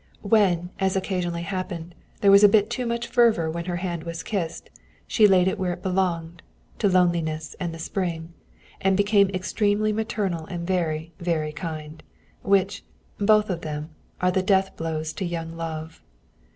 When, as occasionally happened, there was a bit too much fervor when her hand was kissed, she laid it where it belonged to loneliness and the spring and became extremely maternal and very, very kind. Which both of them are death blows to young love.